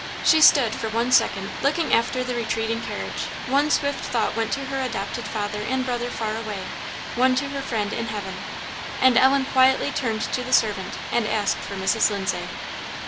She stood for one second looking after the retreating carriage one swift thought went to her adopted father and brother far away one to her Friend in heaven and Ellen quietly turned to the servant and asked for Mrs. Lindsay.